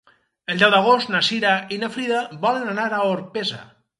El deu d'agost na Cira i na Frida volen anar a Orpesa.